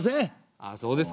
ああそうですか。